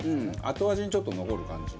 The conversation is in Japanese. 後味にちょっと残る感じ。